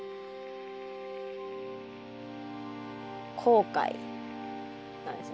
後悔なんですよ。